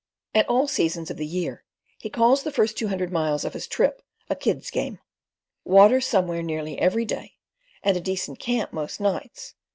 At all seasons of the year he calls the first two hundred miles of his trip a "kid's game." "Water somewhere nearly every day, and a decent camp most nights."